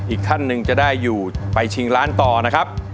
อีกท่านหนึ่งจะได้อยู่ไปชิงล้านต่อนะครับ